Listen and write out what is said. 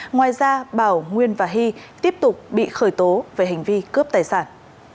ngoài ra bảo nguyên và hy tiếp tục bị khởi tố về hành vi cướp tài sản